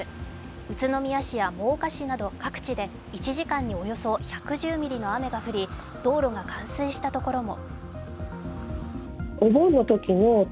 宇都宮市や真岡市でも各地で１時間におよそ１１０ミリの雨が降り、道路が冠水したところも。